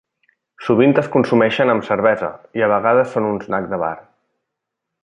Sovint es consumeixen amb cervesa i a vegades són un snack de bar.